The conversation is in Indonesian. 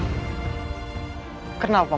aku tidak akan menemukanmu